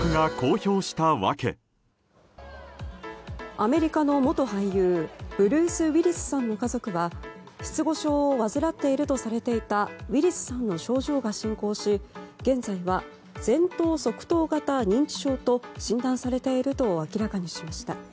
アメリカの元俳優ブルース・ウィリスさんの家族が失語症を患っているとされていたウィリスさんの症状が進行し現在は前頭側頭型認知症と診断されていると明らかにしました。